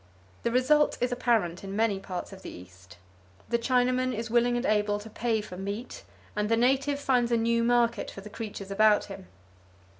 The result is apparent in many parts of the East. The Chinaman is willing and able to pay for meat, and the native finds a new market for the creatures about him.